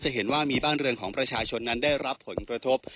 เห็นว่ามีบ้านเรือนของประชาชนนั้นได้รับผลกระทบ